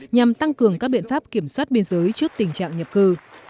nhằm tăng cường các biện pháp kiểm soát biên giới trước tình trạng nhập cư